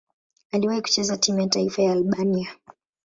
Aliwahi kucheza timu ya taifa ya Albania.